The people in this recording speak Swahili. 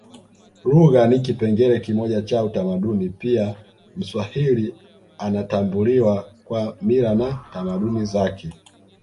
Lugha ni kipengele kimoja cha utamaduni pia mswahili anatambuliwa kwa mila na tamaduni zake